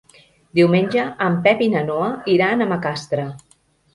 Diumenge en Pep i na Noa iran a Macastre.